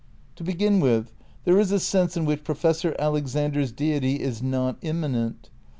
To begin with, there is a sense in which Professor Alexander's Deity is not immanent.